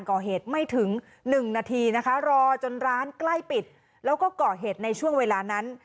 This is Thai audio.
ก่อเหตุไม่ถึงหนึ่งนาทีนะคะรอจนร้านใกล้ปิดแล้วก็ก่อเหตุในช่วงเวลานั้น